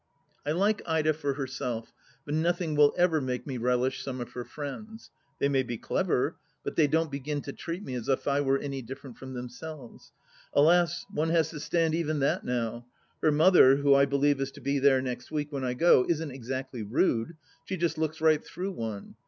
I like Ida for herself, but nothing will ever make me relish some of her friends. They may be clever, but they don't begin to treat me as if I were any different from themselves. Alas, one has to stand even that now ! Her mother, who I believe is to be there next week when I go, isn't exactly rude : she just looks right through one.